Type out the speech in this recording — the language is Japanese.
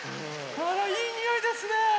あらいいにおいですね。